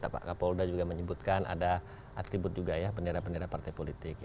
pak kapolda juga menyebutkan ada atribut juga ya bendera bendera partai politik